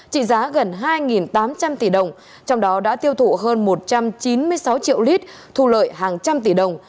trị giá gần hai tám trăm linh tỷ đồng trong đó đã tiêu thụ hơn một trăm chín mươi sáu triệu lít thu lợi hàng trăm tỷ đồng